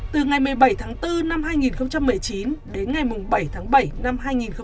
từ ngày một mươi bảy tháng bốn năm hai nghìn một mươi chín đến ngày bảy tháng bảy năm hai nghìn hai mươi